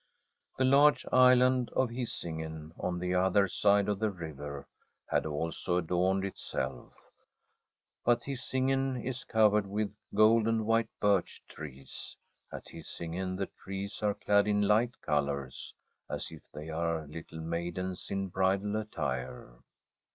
The large island of Hisingen, on the other side of the river, had also adorned itself. But Hisingen is covered with golden white birch trees. At Hisingen the trees are clad in light colours, as if they are little maidens in bridal at tire.